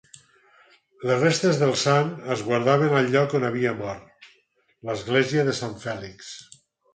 Les restes del sant es guardaven al lloc on havia mort, l'Església de Sant Fèlix.